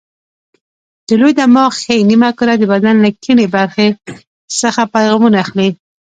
د لوی دماغ ښي نیمه کره د بدن له کیڼې برخې څخه پیغامونه اخلي.